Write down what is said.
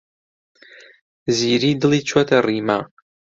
زیری دڵی چووەتە ڕیما.